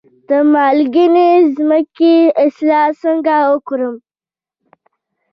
د مالګینې ځمکې اصلاح څنګه وکړم؟